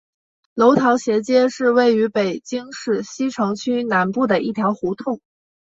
楼桃斜街是位于北京市西城区南部的一条胡同。